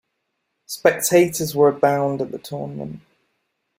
Spectators were abound at the tournament.